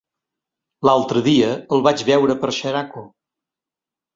L'altre dia el vaig veure per Xeraco.